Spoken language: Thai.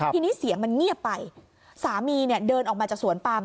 ทีนี้เสียงมันเงียบไปสามีเนี่ยเดินออกมาจากสวนปาม